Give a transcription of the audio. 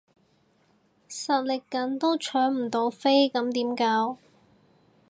實力緊都搶唔到飛咁點搞？